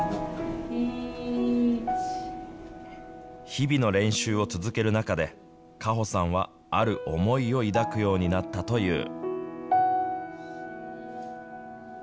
日々の練習を続ける中で、果歩さんはある思いを抱くようになったという。